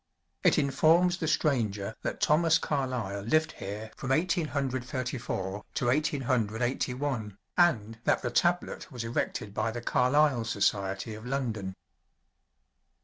It informs the stranger that Thomas Carlyle lived here from Eighteen Hundred Thirty four to Eighteen Hundred Eighty one, and that the tablet was erected by the Carlyle Society of London.